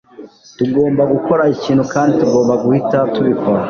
Tugomba gukora ikintu kandi tugomba guhita tubikora.